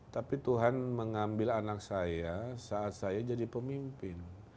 tapi tuhan mengambil anak saya saat saya jadi pemimpin